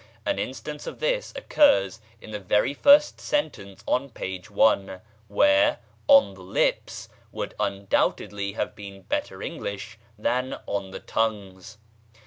An instance of this occurs in the very first sentence on p. 1, where "on the lips" would undoubtedly have been better English than "on the tongues."